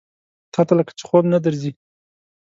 تاته لکه چې خوب نه درځي؟